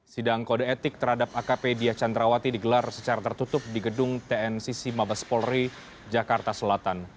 sidang kode etik terhadap akp diah chandrawati digelar secara tertutup di gedung tncc mabes polri jakarta selatan